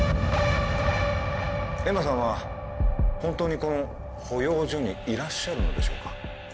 恵茉さんは本当にこの保養所にいらっしゃるのでしょうか？